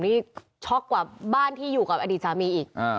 นี่ช็อกกว่าบ้านที่อยู่กับอดีตสามีอีก